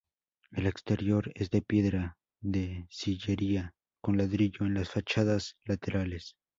El exterior es de piedra de sillería, con ladrillo en las fachadas laterales.